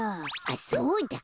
あっそうだ！